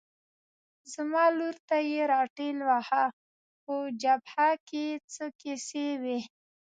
زما لور ته یې را ټېل واهه، په جبهه کې څه کیسې وې؟